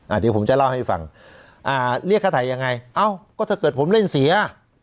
เดี๋ยวผมจะเล่าให้ฟังอ่าเรียกค่าถ่ายยังไงเอ้าก็ถ้าเกิดผมเล่นเสีย